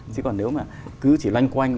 chứ còn nếu mà cứ chỉ loanh quanh